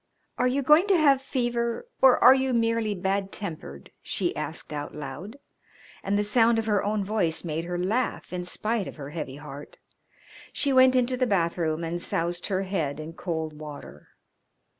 "Are you going to have fever or are you merely bad tempered?" she asked out loud, and the sound of her own voice made her laugh in spite of her heavy heart. She went into the bathroom and soused her head in cold water.